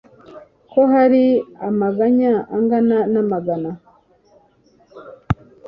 ko hari amaganya angana amagana